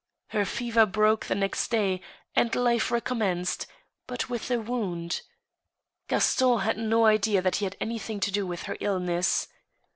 Her fever broke the next day, and life recommenced, but with a wound. Gaston had no idea that he had had anything to do with her illness.